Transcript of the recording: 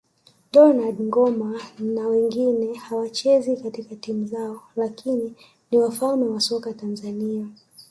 Donald Ngoma na wengine hawachezi katika timu zao lakini ni wafalme wa soka Tanzania